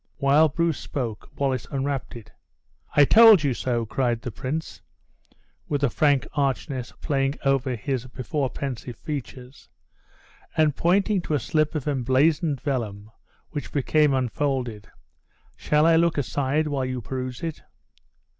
While Bruce spoke, Wallace unwrapped it. "I told you so!" cried the prince, with a frank archness playing over his before pensive features, and pointing to a slip of emblazoned vellum, which became unfolded. "Shall I look aside while you peruse it?"